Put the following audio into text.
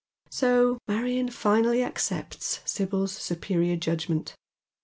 So Marion finally accepts Sibyl's superior judgment.